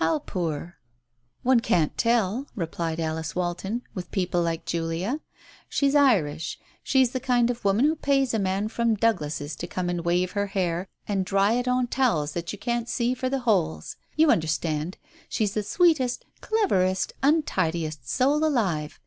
"How poor ?'' "One can't tell," replied Alice Walton, "with people like Julia. She's Irish. She's the kind of woman who pays a man from Douglas's to come and wave her hair, and dry it on towels that you can't see for the holes ! You understand. She's the sweetest, cleverest, un tidiest soul alive